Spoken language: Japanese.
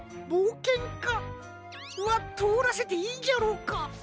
ぼうけんかはとおらせていいんじゃろうか？